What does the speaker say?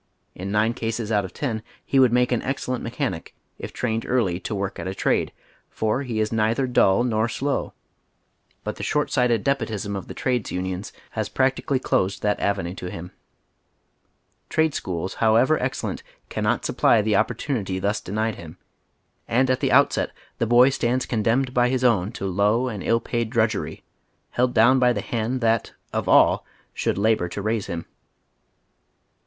In nine cases out of ten he would make an excellent mechanic, if trained early to woi'k at a trade, for he is neither dull nor slow, but the short sighted despotism of the trades unions has practicaliy closed that avenue to him. Trade schools, however excellent, cannot supply the opportunity thus denied him, and at the outset the boy stands condemned by his own to low and ill paid drudgery, held down by the haud that of all should labor to raise him.